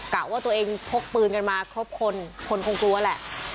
กะว่าตัวเองพกปืนกันมาครบคนคนคงกลัวแหละ